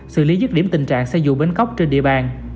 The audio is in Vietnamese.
xử lý dứt điểm tình trạng xe dù bến cóc trên địa bàn